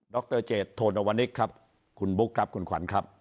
รเจตโทนวนิกครับคุณบุ๊คครับคุณขวัญครับ